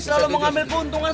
selalu mengambil keuntungan